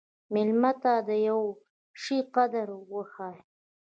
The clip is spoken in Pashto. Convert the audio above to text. مېلمه ته د یوه شي قدر وښیه.